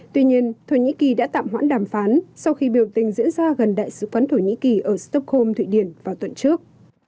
tuy nhiên thổ nhĩ kỳ đã tạm hoãn đàm phán sau khi biểu tình diễn ra gần đại sứ quán thổ nhĩ kỳ ở stockholm thụy điển vào tuần trước